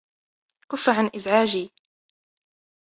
كُفّ عن إزعاجي!